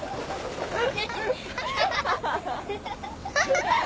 ハハハハ。